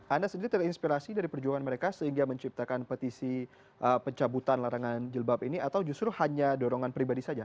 anda sendiri terinspirasi dari perjuangan mereka sehingga menciptakan petisi pencabutan larangan jilbab ini atau justru hanya dorongan pribadi saja